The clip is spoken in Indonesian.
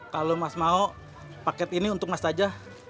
kalo mas mau paket ini untuk mas aja